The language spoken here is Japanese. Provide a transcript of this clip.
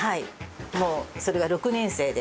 もうそれが６年生で。